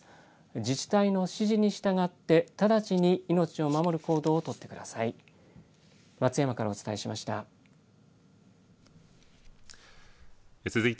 自治体の指示に従って直ちに命を守る行動を取ってください。